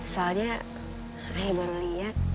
soalnya saya baru lihat